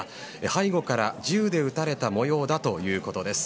背後から銃で撃たれた模様だということです。